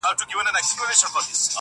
فتحه زما ده، فخر زما دی، جشن زما دی،